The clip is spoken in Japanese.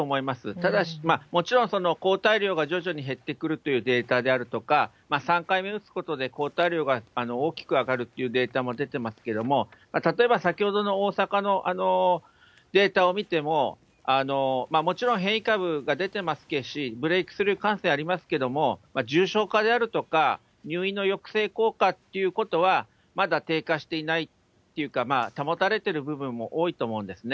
ただし、もちろん抗体量が徐々に減ってくるというデータであるとか、３回目打つことで抗体量が大きく上がるというデータも出てますけれども、例えば先ほどの大阪のデータを見ても、もちろん変異株が出てますし、ブレークスルー感染ありますけれども、重症化であるとか、入院の抑制効果っていうことはまだ低下していないっていうか、保たれてる部分も多いと思うんですね。